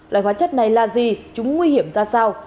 loại hóa chất này là gì chúng nguy hiểm ra sao